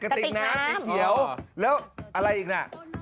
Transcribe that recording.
กระติ๊กเขียวแล้วอะไรอีกน่ะ